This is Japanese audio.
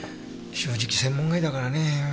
正直専門外だからね。